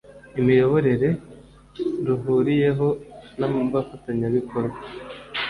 imiyoborere ruhuriyeho n' abafatanyabikorwa